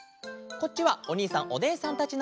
こっちはおにいさんおねえさんたちのえ。